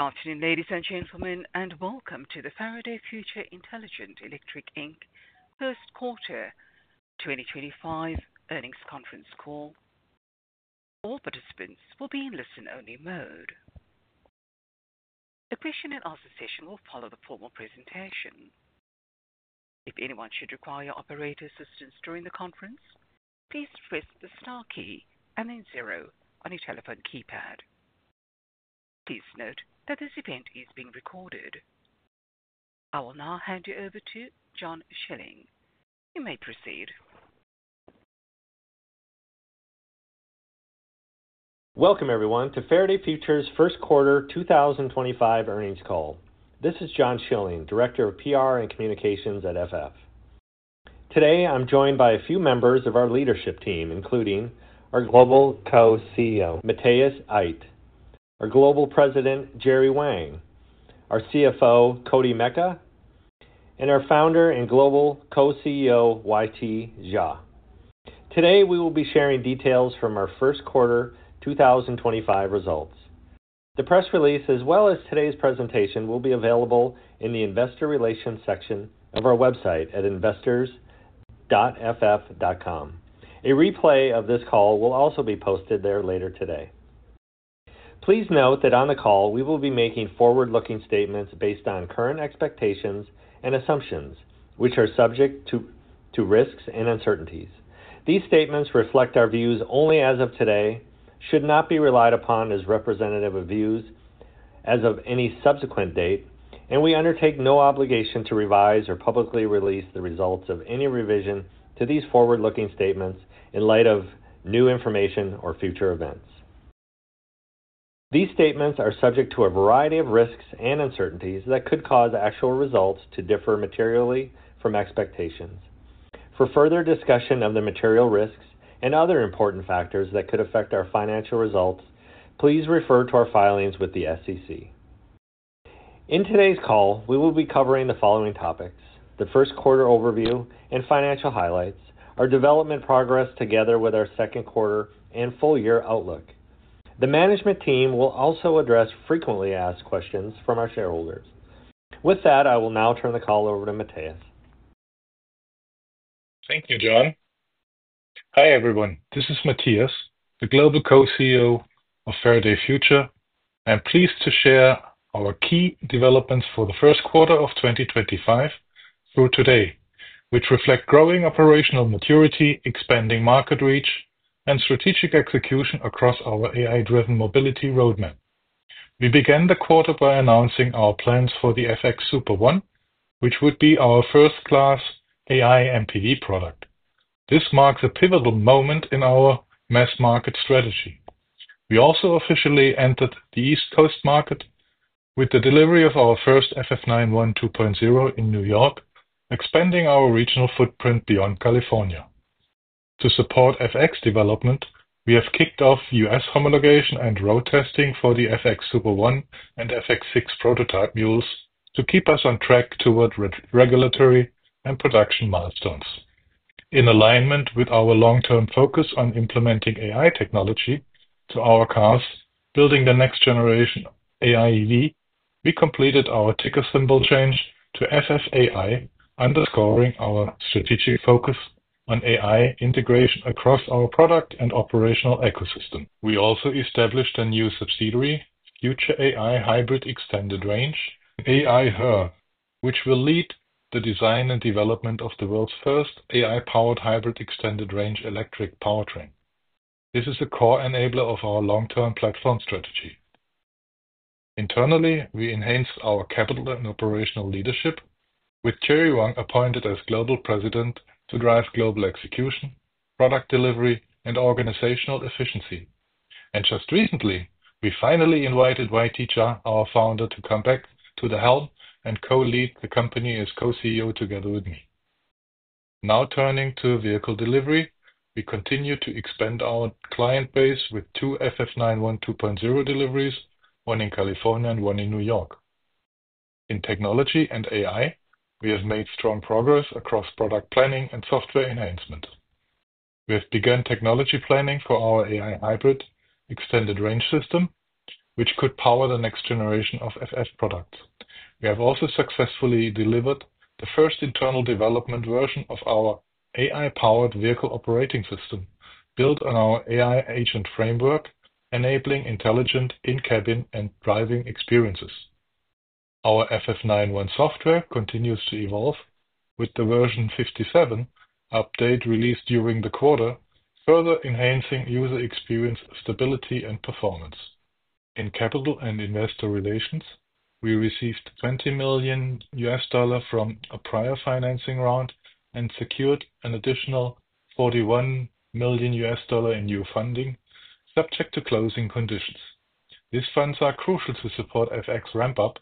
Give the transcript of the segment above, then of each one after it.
Good afternoon, ladies and gentlemen, and welcome to the Faraday Future Intelligent Electric First Quarter 2025 earnings conference call. All participants will be in listen-only mode. The question and answer session will follow the formal presentation. If anyone should require operator assistance during the conference, please press the star key and then zero on your telephone keypad. Please note that this event is being recorded. I will now hand you over to John Schilling. You may proceed. Welcome, everyone, to Faraday Future's First Quarter 2025 earnings call. This is John Schilling, Director of PR and Communications at FF. Today, I'm joined by a few members of our leadership team, including our Global Co-CEO, Matthias Aydt, our Global President, Jerry Wang, our CFO, Cody Meka, and our Founder and Global Co-CEO, YT Jia. Today, we will be sharing details from our First Quarter 2025 results. The press release, as well as today's presentation, will be available in the Investor Relations section of our website at investors.ff.com. A replay of this call will also be posted there later today. Please note that on the call, we will be making forward-looking statements based on current expectations and assumptions, which are subject to risks and uncertainties. These statements reflect our views only as of today, should not be relied upon as representative of views as of any subsequent date, and we undertake no obligation to revise or publicly release the results of any revision to these forward-looking statements in light of new information or future events. These statements are subject to a variety of risks and uncertainties that could cause actual results to differ materially from expectations. For further discussion of the material risks and other important factors that could affect our financial results, please refer to our filings with the SEC. In today's call, we will be covering the following topics: the First Quarter Overview and Financial Highlights, our development progress together with our Second Quarter and full-year outlook. The management team will also address frequently asked questions from our shareholders. With that, I will now turn the call over to Matthias. Thank you, John. Hi, everyone. This is Matthias, the Global Co-CEO of Faraday Future, and pleased to share our key developments for the first quarter of 2025 through today, which reflect growing operational maturity, expanding market reach, and strategic execution across our AI-driven mobility roadmap. We began the quarter by announcing our plans for the FX Super One, which would be our first-class AI MPV product. This marks a pivotal moment in our mass-market strategy. We also officially entered the East Coast market with the delivery of our first FF91 2.0 in New York, expanding our regional footprint beyond California. To support FX development, we have kicked off U.S. homologation and road testing for the FX Super One and FX Six prototype mules to keep us on track toward regulatory and production milestones. In alignment with our long-term focus on implementing AI technology to our cars, building the next generation AI EV, we completed our ticker symbol change to FFAI, underscoring our strategic focus on AI integration across our product and operational ecosystem. We also established a new subsidiary, Future AI Hybrid Extended Range, AI Her, which will lead the design and development of the world's first AI-powered hybrid extended range electric powertrain. This is a core enabler of our long-term platform strategy. Internally, we enhanced our capital and operational leadership, with Jerry Wang appointed as Global President to drive global execution, product delivery, and organizational efficiency. Just recently, we finally invited YT Jia, our founder, to come back to the helm and co-lead the company as Co-CEO together with me. Now turning to vehicle delivery, we continue to expand our client base with two FF91 2.0 deliveries, one in California and one in New York. In technology and AI, we have made strong progress across product planning and software enhancement. We have begun technology planning for our AI hybrid extended range system, which could power the next generation of FF products. We have also successfully delivered the first internal development version of our AI-powered vehicle operating system, built on our AI agent framework, enabling intelligent in-cabin and driving experiences. Our FF91 software continues to evolve, with the version 57 update released during the quarter, further enhancing user experience stability and performance. In capital and investor relations, we received $20 million from a prior financing round and secured an additional $41 million in new funding, subject to closing conditions. These funds are crucial to support FX ramp-up,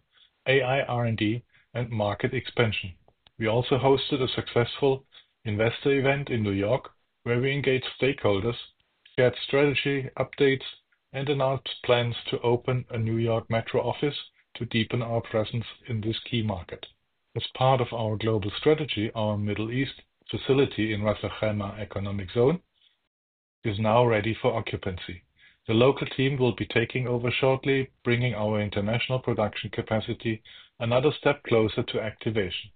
AI R&D, and market expansion. We also hosted a successful investor event in New York, where we engaged stakeholders, shared strategy updates, and announced plans to open a New York metro office to deepen our presence in this key market. As part of our global strategy, our Middle East facility in Ras Al Khaimah Economic Zone is now ready for occupancy. The local team will be taking over shortly, bringing our international production capacity another step closer to activation.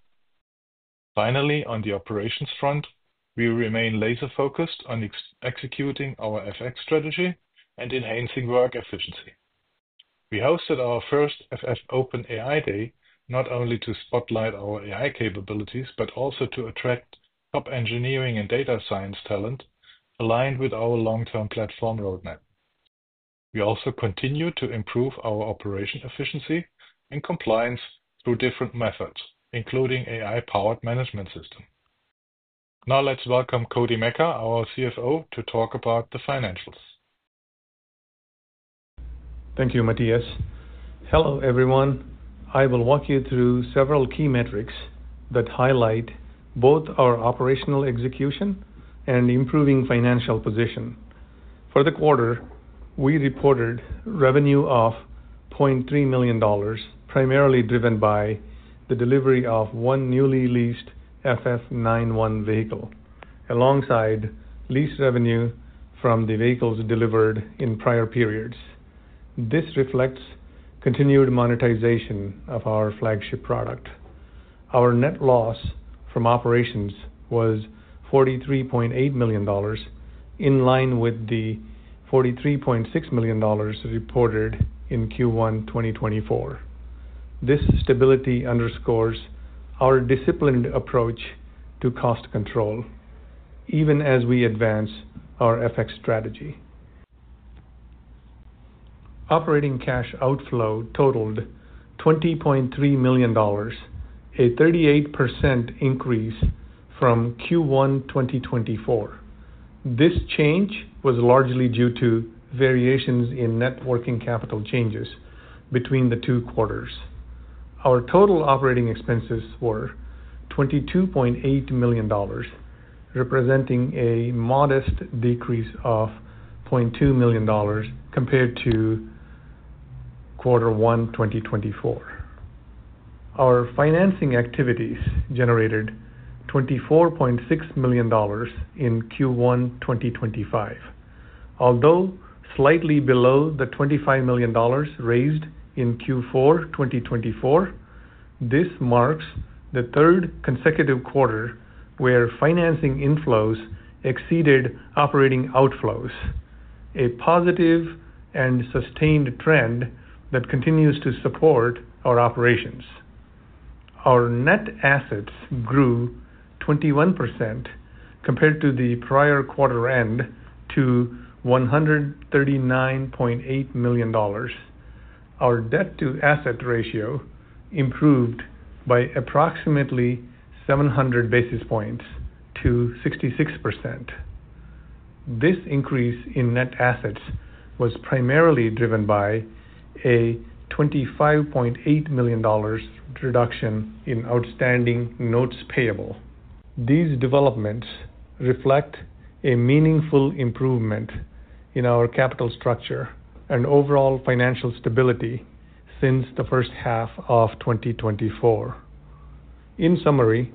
Finally, on the operations front, we remain laser-focused on executing our FX strategy and enhancing work efficiency. We hosted our first FF Open AI Day, not only to spotlight our AI capabilities, but also to attract top engineering and data science talent, aligned with our long-term platform roadmap. We also continue to improve our operation efficiency and compliance through different methods, including AI-powered management systems. Now let's welcome Cody Meka, our CFO, to talk about the financials. Thank you, Matthias. Hello, everyone. I will walk you through several key metrics that highlight both our operational execution and improving financial position. For the quarter, we reported revenue of $0.3 million, primarily driven by the delivery of one newly leased FF91 vehicle, alongside leased revenue from the vehicles delivered in prior periods. This reflects continued monetization of our flagship product. Our net loss from operations was $43.8 million, in line with the $43.6 million reported in Q1 2024. This stability underscores our disciplined approach to cost control, even as we advance our FX strategy. Operating cash outflow totaled $20.3 million, a 38% increase from Q1 2024. This change was largely due to variations in net working capital changes between the two quarters. Our total operating expenses were $22.8 million, representing a modest decrease of $0.2 million compared to Q1 2024. Our financing activities generated $24.6 million in Q1 2025. Although slightly below the $25 million raised in Q4 2024, this marks the third consecutive quarter where financing inflows exceeded operating outflows, a positive and sustained trend that continues to support our operations. Our net assets grew 21% compared to the prior quarter end to $139.8 million. Our debt-to-asset ratio improved by approximately 700 basis points to 66%. This increase in net assets was primarily driven by a $25.8 million reduction in outstanding notes payable. These developments reflect a meaningful improvement in our capital structure and overall financial stability since the first half of 2024. In summary,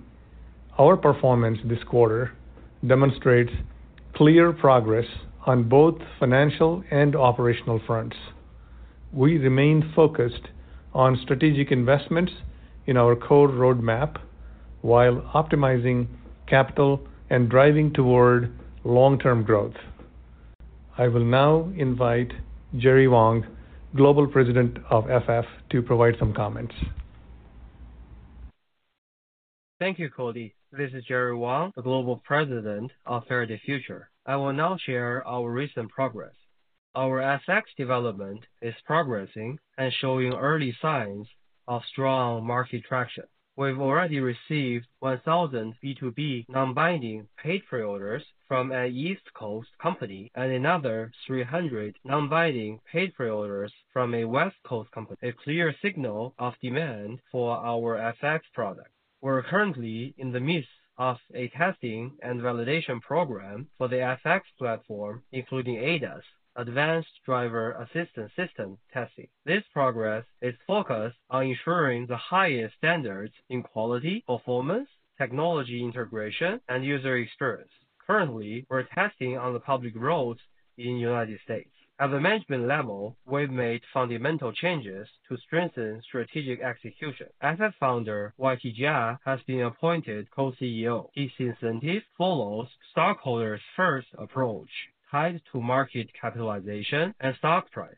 our performance this quarter demonstrates clear progress on both financial and operational fronts. We remain focused on strategic investments in our core roadmap while optimizing capital and driving toward long-term growth. I will now invite Jerry Wang, Global President of Faraday Future, to provide some comments. Thank you, Cody. This is Jerry Wang, the Global President of Faraday Future. I will now share our recent progress. Our FX development is progressing and showing early signs of strong market traction. We have already received 1,000 B2B non-binding paid pre-orders from an East Coast company and another 300 non-binding paid pre-orders from a West Coast company, a clear signal of demand for our FX product. We are currently in the midst of a testing and validation program for the FX platform, including ADAS, Advanced Driver Assistance System testing. This progress is focused on ensuring the highest standards in quality, performance, technology integration, and user experience. Currently, we are testing on the public roads in the United States. At the management level, we have made fundamental changes to strengthen strategic execution. FF founder YT Jia has been appointed Co-CEO. His incentive follows stockholders' first approach tied to market capitalization and stock price.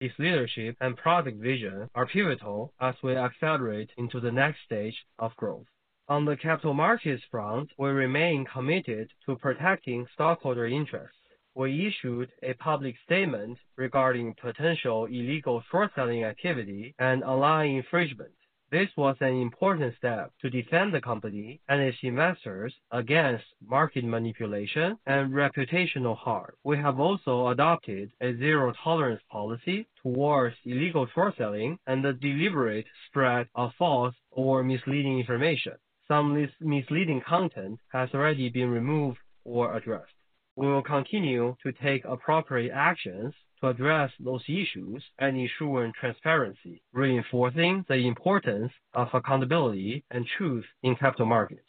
His leadership and product vision are pivotal as we accelerate into the next stage of growth. On the capital markets front, we remain committed to protecting stockholder interests. We issued a public statement regarding potential illegal short-selling activity and online infringement. This was an important step to defend the company and its investors against market manipulation and reputational harm. We have also adopted a zero-tolerance policy towards illegal short-selling and the deliberate spread of false or misleading information. Some misleading content has already been removed or addressed. We will continue to take appropriate actions to address those issues and ensure transparency, reinforcing the importance of accountability and truth in capital markets.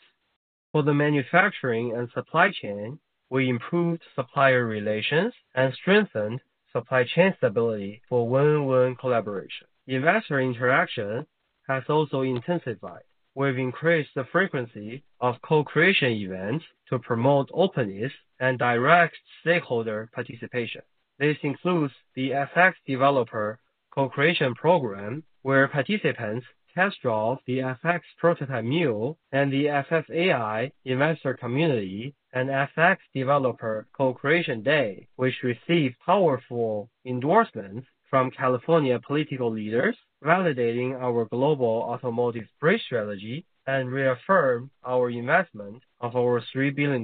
For the manufacturing and supply chain, we improved supplier relations and strengthened supply chain stability for win-win collaboration. Investor interaction has also intensified. We've increased the frequency of co-creation events to promote openness and direct stakeholder participation. This includes the FX Developer Co-creation Program, where participants test drive the FX prototype mule, and the FX AI Investor Community and FX Developer Co-creation Day, which received powerful endorsements from California political leaders, validating our global automotive space strategy and reaffirmed our investment of over $3 billion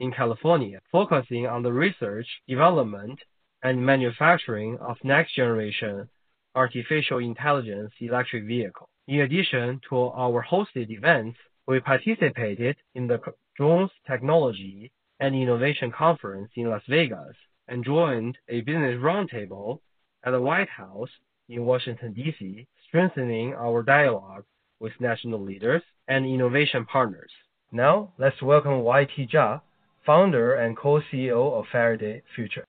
in California, focusing on the research, development, and manufacturing of next-generation artificial intelligence electric vehicles. In addition to our hosted events, we participated in the Jones Technology and Innovation Conference in Las Vegas and joined a business roundtable at the White House in Washington, D.C., strengthening our dialogue with national leaders and innovation partners. Now, let's welcome YT Zha, founder and Co-CEO of Faraday Future.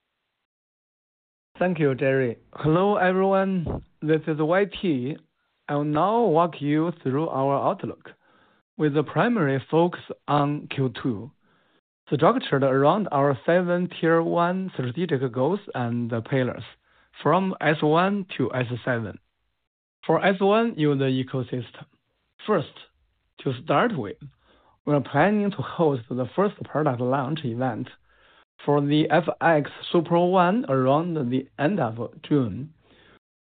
Thank you, Jerry. Hello, everyone. This is YT. I'll now walk you through our outlook, with a primary focus on Q2, structured around our seven tier-one strategic goals and the pillars from S1 to S7. For S1, you're the ecosystem. First, to start with, we're planning to host the first product launch event for the FX Super One around the end of June,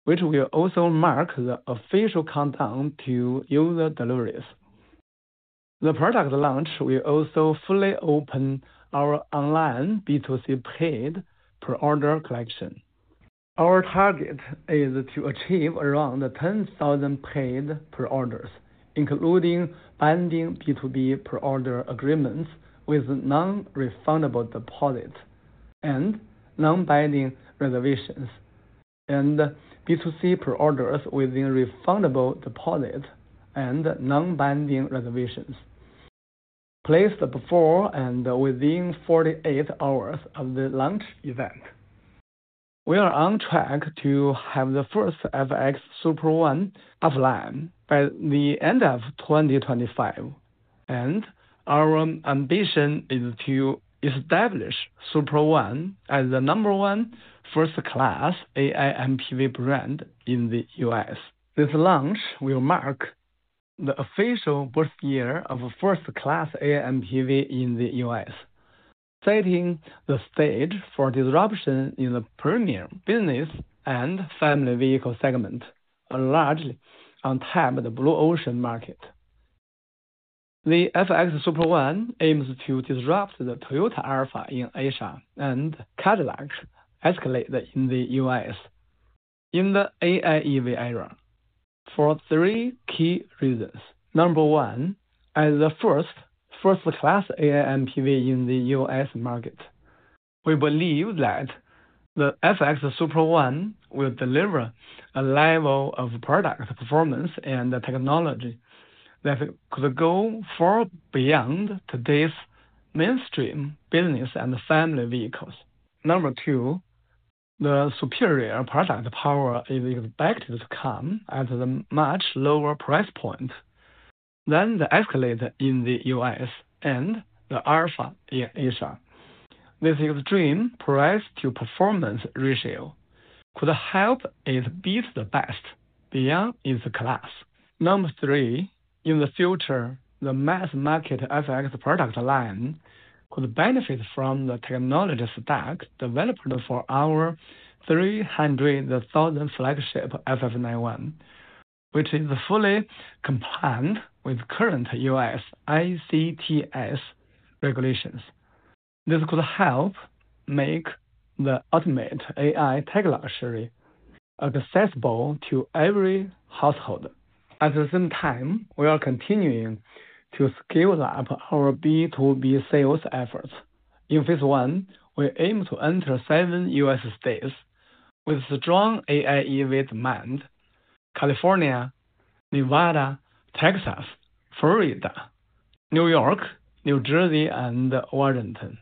which will also mark the official countdown to user deliveries. The product launch will also fully open our online B2C paid per-order collection. Our target is to achieve around 10,000 paid per-orders, including binding B2B per-order agreements with non-refundable deposit and non-binding reservations, and B2C per-orders with refundable deposit and non-binding reservations, placed before and within 48 hours of the launch event. We are on track to have the first FX Super One offline by the end of 2025, and our ambition is to establish Super One as the number one first-class AI MPV brand in the U.S. This launch will mark the official birth year of first-class AI MPV in the U.S., setting the stage for disruption in the premium business and family vehicle segment, largely untapped Blue Ocean market. The FX Super One aims to disrupt the Toyota Alphard in Asia and Cadillac Escalade in the U.S. in the AI EV era for three key reasons. Number one, as the first first-class AI MPV in the U.S. market, we believe that the FX Super One will deliver a level of product performance and technology that could go far beyond today's mainstream business and family vehicles. Number two, the superior product power is expected to come at a much lower price point than the Escalade in the U.S. and the Alphard in Asia. This extreme price-to-performance ratio could help it beat the best beyond its class. Number three, in the future, the mass-market FX product line could benefit from the technology stack developed for our $300,000 flagship FF91, which is fully compliant with current U.S. ICTS regulations. This could help make the ultimate AI tech luxury accessible to every household. At the same time, we are continuing to scale up our B2B sales efforts. In phase one, we aim to enter seven U.S. states with strong AI EV demand: California, Nevada, Texas, Florida, New York, New Jersey, and Washington.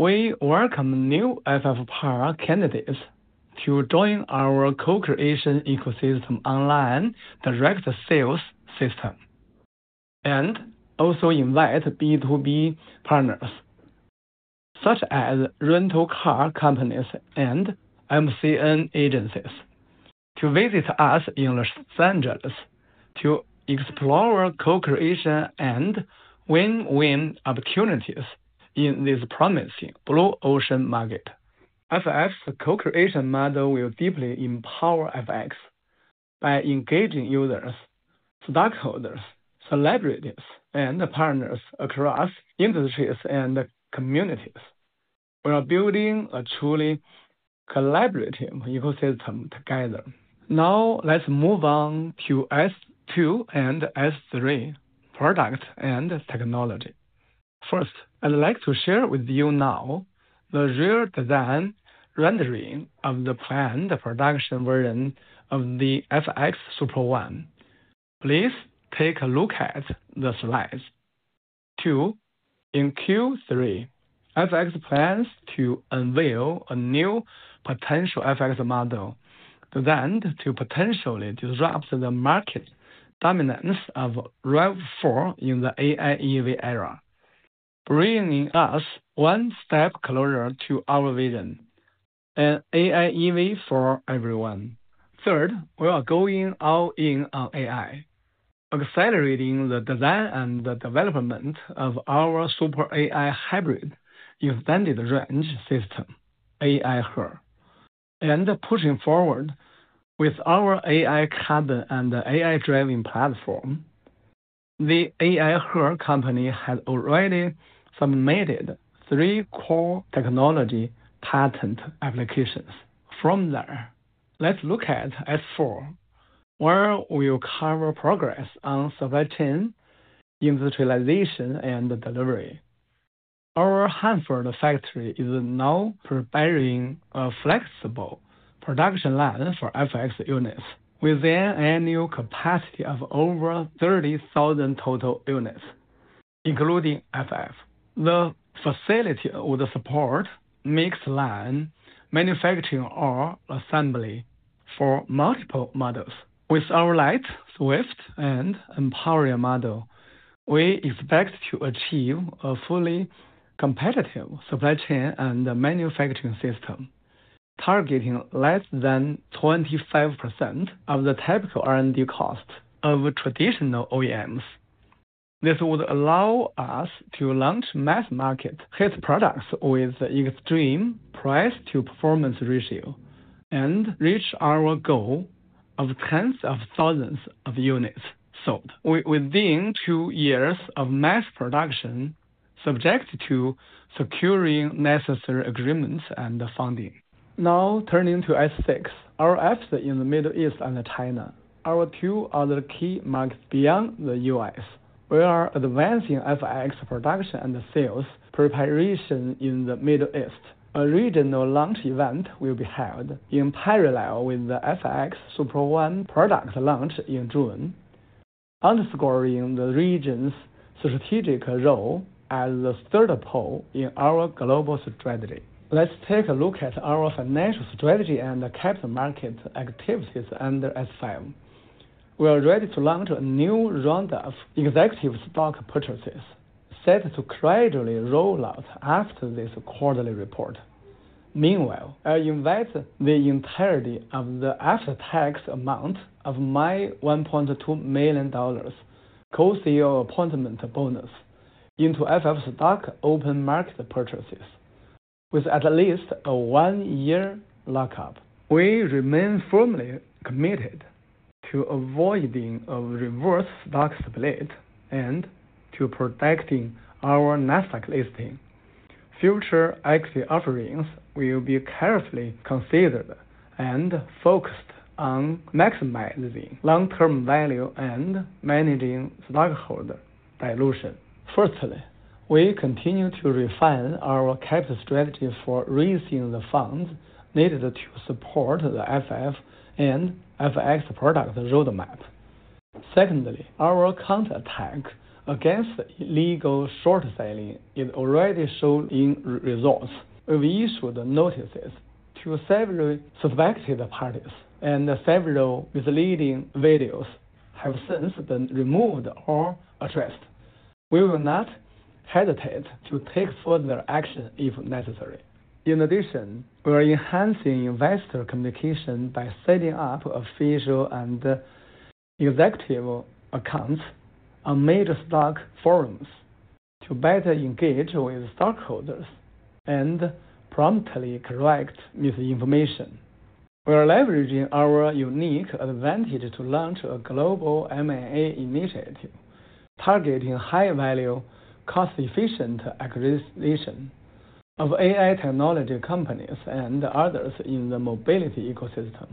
We welcome new FF power candidates to join our co-creation ecosystem online direct sales system and also invite B2B partners, such as rental car companies and MCN agencies, to visit us in Los Angeles to explore co-creation and win-win opportunities in this promising Blue Ocean market. FX co-creation model will deeply empower FX by engaging users, stockholders, celebrities, and partners across industries and communities. We are building a truly collaborative ecosystem together. Now, let's move on to S2 and S3 products and technology. First, I'd like to share with you now the rear design rendering of the planned production version of the FX Super One. Please take a look at the slides. Two, in Q3, FX plans to unveil a new potential FX model designed to potentially disrupt the market dominance of REV4 in the AI EV era, bringing us one step closer to our vision: an AI EV for everyone. Third, we are going all in on AI, accelerating the design and the development of our Super AI hybrid extended range system, AI Her, and pushing forward with our AI cabin and AI driving platform. The AI Her company has already submitted three core technology patent applications. From there, let's look at S4, where we'll cover progress on supply chain, industrialization, and delivery. Our Hanford factory is now preparing a flexible production line for FX units. We then add new capacity of over 30,000 total units, including FF. The facility would support mixed line manufacturing or assembly for multiple models. With our light, swift, and empowering model, we expect to achieve a fully competitive supply chain and manufacturing system, targeting less than 25% of the typical R&D cost of traditional OEMs. This would allow us to launch mass-market hit products with extreme price-to-performance ratio and reach our goal of tens of thousands of units sold within two years of mass production, subject to securing necessary agreements and funding. Now, turning to S6, our efforts in the Middle East and China, our two other key markets beyond the U.S., we are advancing FX production and sales preparation in the Middle East. A regional launch event will be held in parallel with the FX Super One product launch in June, underscoring the region's strategic role as the third pole in our global strategy. Let's take a look at our financial strategy and capital market activities under S5. We are ready to launch a new round of executive stock purchases set to gradually roll out after this quarterly report. Meanwhile, I invite the entirety of the after-tax amount of my $1.2 million Co-CEO appointment bonus into FF stock open market purchases with at least a one-year lockup. We remain firmly committed to avoiding a reverse stock split and to protecting our Nasdaq listing. Future equity offerings will be carefully considered and focused on maximizing long-term value and managing stockholder dilution. Firstly, we continue to refine our capital strategy for raising the funds needed to support the FF and FX product roadmap. Secondly, our counterattack against illegal short-selling is already shown in results. We have issued notices to several suspected parties, and several misleading videos have since been removed or addressed. We will not hesitate to take further action if necessary. In addition, we are enhancing investor communication by setting up official and executive accounts on major stock forums to better engage with stockholders and promptly correct misinformation. We are leveraging our unique advantage to launch a global M&A initiative targeting high-value, cost-efficient acquisition of AI technology companies and others in the mobility ecosystem,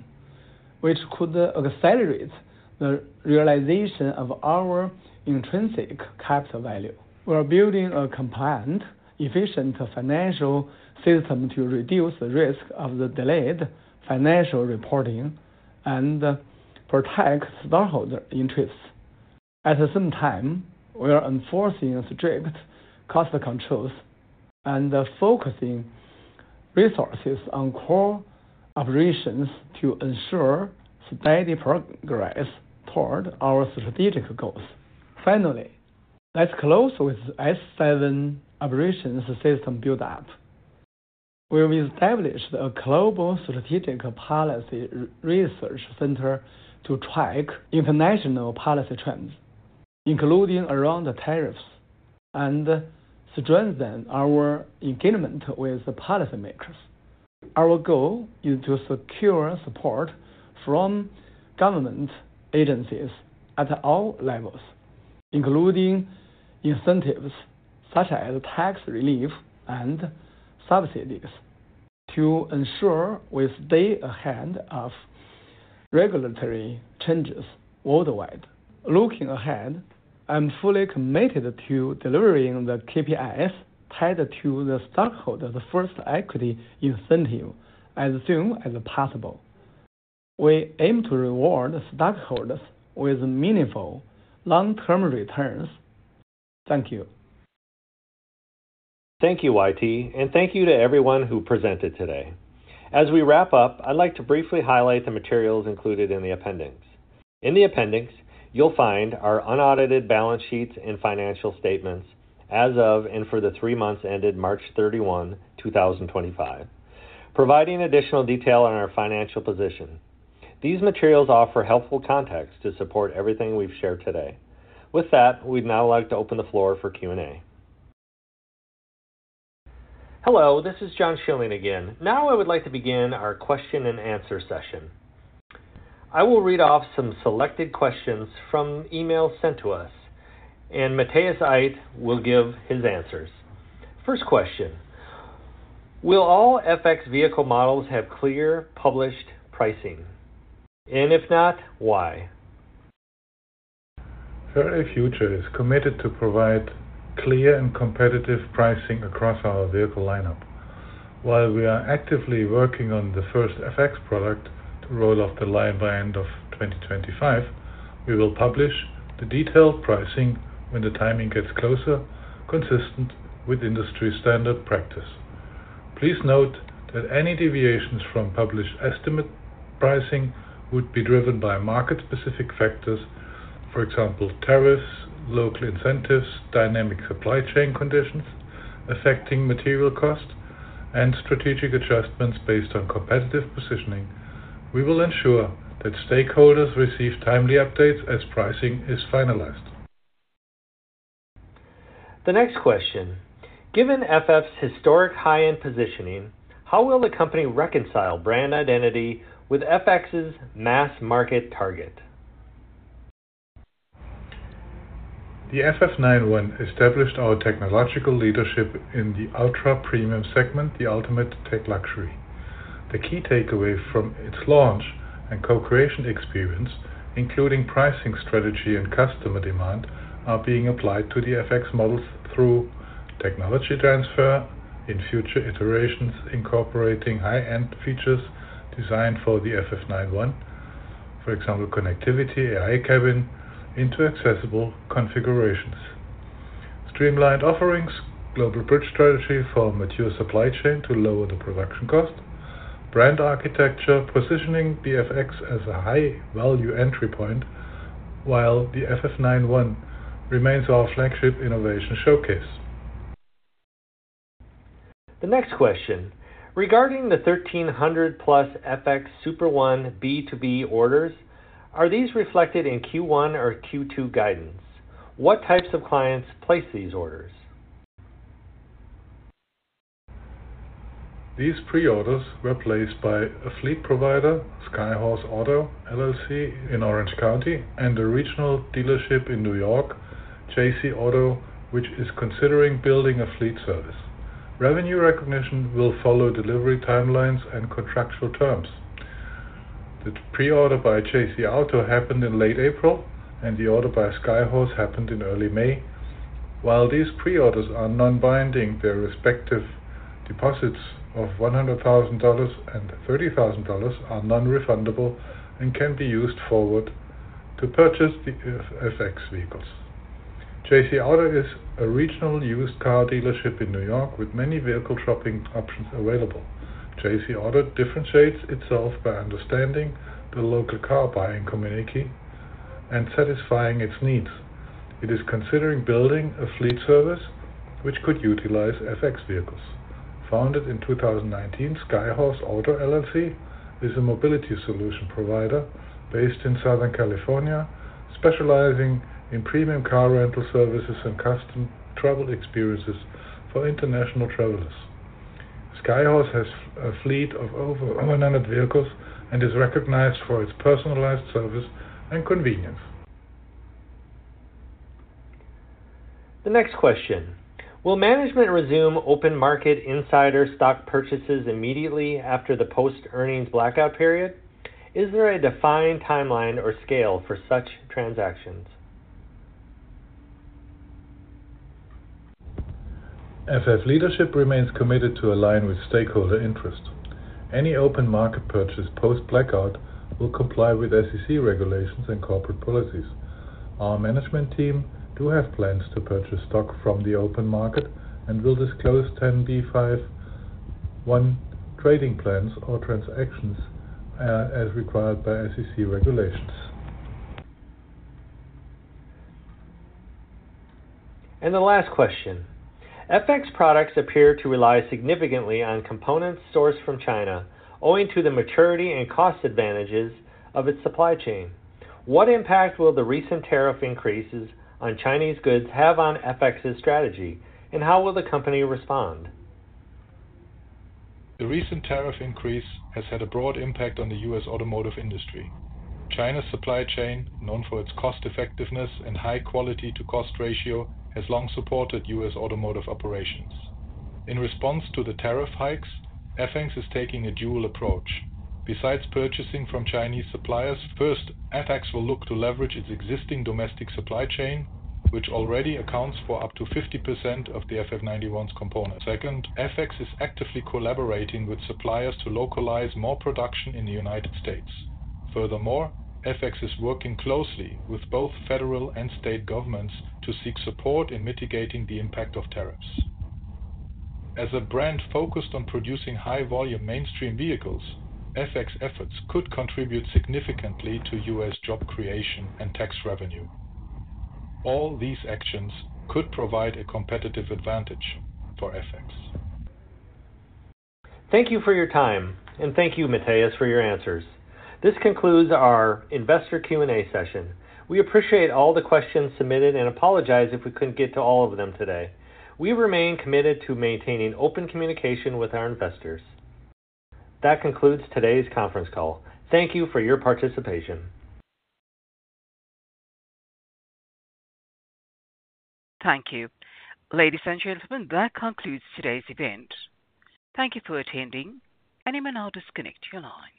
which could accelerate the realization of our intrinsic capital value. We are building a compliant, efficient financial system to reduce the risk of delayed financial reporting and protect stockholder interests. At the same time, we are enforcing strict cost controls and focusing resources on core operations to ensure steady progress toward our strategic goals. Finally, let's close with S7 operations system build-up. We've established a global strategic policy research center to track international policy trends, including around tariffs, and strengthen our engagement with policymakers. Our goal is to secure support from government agencies at all levels, including incentives such as tax relief and subsidies, to ensure we stay ahead of regulatory changes worldwide. Looking ahead, I'm fully committed to delivering the KPIs tied to the stockholder's first equity incentive as soon as possible. We aim to reward stockholders with meaningful long-term returns. Thank you. Thank you, YT, and thank you to everyone who presented today. As we wrap up, I'd like to briefly highlight the materials included in the appendix. In the appendix, you'll find our unaudited balance sheets and financial statements as of and for the three months ended March 31, 2025, providing additional detail on our financial position. These materials offer helpful context to support everything we've shared today. With that, we'd now like to open the floor for Q&A. Hello, this is John Schilling again. Now I would like to begin our question and answer session. I will read off some selected questions from emails sent to us, and Matthias Aydt will give his answers. First question: Will all FX vehicle models have clear published pricing? And if not, why? Faraday Future is committed to provide clear and competitive pricing across our vehicle lineup. While we are actively working on the first FX product to roll off the line by end of 2025, we will publish the detailed pricing when the timing gets closer, consistent with industry standard practice. Please note that any deviations from published estimate pricing would be driven by market-specific factors, for example, tariffs, local incentives, dynamic supply chain conditions affecting material cost, and strategic adjustments based on competitive positioning. We will ensure that stakeholders receive timely updates as pricing is finalized. The next question: Given FF's historic high-end positioning, how will the company reconcile brand identity with FX's mass-market target? The FF91 established our technological leadership in the ultra-premium segment, the ultimate tech luxury. The key takeaway from its launch and co-creation experience, including pricing strategy and customer demand, is being applied to the FX models through technology transfer in future iterations, incorporating high-end features designed for the FF91, for example, connectivity, AI cabin, into accessible configurations. Streamlined offerings, global bridge strategy for mature supply chain to lower the production cost, brand architecture positioning the FX as a high-value entry point, while the FF91 remains our flagship innovation showcase. The next question: Regarding the 1,300-plus FX Super One B2B orders, are these reflected in Q1 or Q2 guidance? What types of clients place these orders? These pre-orders were placed by a fleet provider, Skyhorse Auto in Orange County, and a regional dealership in New York, JC Auto, which is considering building a fleet service. Revenue recognition will follow delivery timelines and contractual terms. The pre-order by JC Auto happened in late April, and the order by Skyhorse happened in early May. While these pre-orders are non-binding, their respective deposits of $100,000 and $30,000 are non-refundable and can be used forward to purchase the FX vehicles. JC Auto is a regional used car dealership in New York with many vehicle shopping options available. JC Auto differentiates itself by understanding the local car buying community and satisfying its needs. It is considering building a fleet service which could utilize FX vehicles. Founded in 2019, Skyhorse Auto is a mobility solution provider based in Southern California, specializing in premium car rental services and custom travel experiences for international travelers. Skyhorse has a fleet of over 100 vehicles and is recognized for its personalized service and convenience. The next question: Will management resume open market insider stock purchases immediately after the post-earnings blackout period? Is there a defined timeline or scale for such transactions? FF leadership remains committed to align with stakeholder interests. Any open market purchase post-blackout will comply with SEC regulations and corporate policies. Our management team does have plans to purchase stock from the open market and will disclose 10b5-1 trading plans or transactions as required by SEC regulations. The last question: FX products appear to rely significantly on components sourced from China, owing to the maturity and cost advantages of its supply chain. What impact will the recent tariff increases on Chinese goods have on FX's strategy, and how will the company respond? The recent tariff increase has had a broad impact on the U.S. automotive industry. China's supply chain, known for its cost-effectiveness and high quality-to-cost ratio, has long supported U.S. automotive operations. In response to the tariff hikes, FX is taking a dual approach. Besides purchasing from Chinese suppliers, first, FX will look to leverage its existing domestic supply chain, which already accounts for up to 50% of the FF91's components. Second, FX is actively collaborating with suppliers to localize more production in the United States. Furthermore, FX is working closely with both federal and state governments to seek support in mitigating the impact of tariffs. As a brand focused on producing high-volume mainstream vehicles, FX's efforts could contribute significantly to U.S. job creation and tax revenue. All these actions could provide a competitive advantage for FX. Thank you for your time, and thank you, Matthias, for your answers. This concludes our investor Q&A session. We appreciate all the questions submitted and apologize if we could not get to all of them today. We remain committed to maintaining open communication with our investors. That concludes today's conference call. Thank you for your participation. Thank you. Ladies and gentlemen, that concludes today's event. Thank you for attending, and you may now disconnect your line.